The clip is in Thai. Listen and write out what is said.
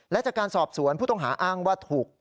และจากการสอบสวนผู้ต้องหาอ้างว่าถูก